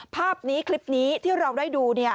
ภาพนี้คลิปนี้ที่เราได้ดู